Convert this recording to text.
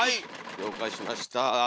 了解しました。